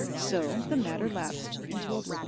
So the matter lapsed into oblivion.